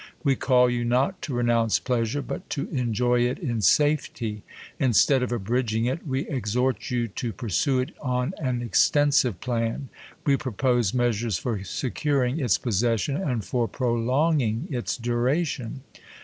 We call you not to renounce pleasure, but to enjoy it in safety. Instead of abridging it, we ex hort you to pili'sue it on an extensive plan. We pro pose measures for securing its possession, and for pro longing its duration.